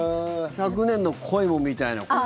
１００年の恋もみたいなこと？